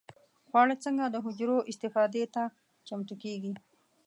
خواړه څنګه د حجرو استفادې ته چمتو کېږي؟